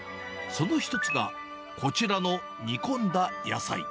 その一つがこちらの煮込んだ野菜。